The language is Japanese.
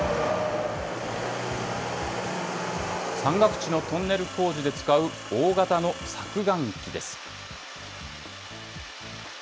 山岳地のトンネル工事で使う大型の削岩機です。